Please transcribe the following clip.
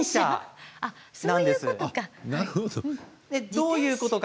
そういうことか！